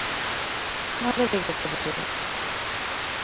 ভালো লেগেছে দুজনের।